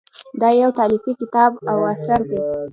دا یو تالیفي کتاب او اثر دی.